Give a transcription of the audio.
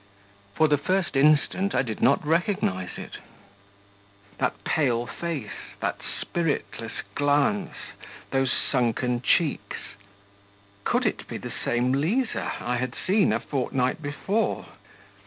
For the first instant, I did not recognise it: that pale face, that spiritless glance, those sunken cheeks could it be the same Liza I had seen a fortnight before?